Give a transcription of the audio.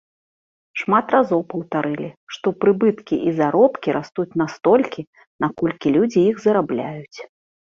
Шмат разоў паўтарылі, што прыбыткі і заробкі растуць настолькі, наколькі людзі іх зарабляюць.